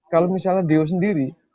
kalau misalnya dio sendiri